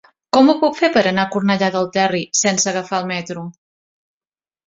Com ho puc fer per anar a Cornellà del Terri sense agafar el metro?